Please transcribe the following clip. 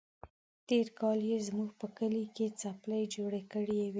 تېر کال يې زموږ په کلي کې څپلۍ جوړه کړې وه.